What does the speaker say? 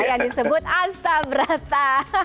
yang disebut astabrata